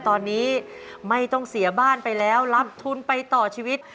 ตอนนี้ไม่ต้องเสียบ้านไปแล้วรับทุนไปต่อชีวิต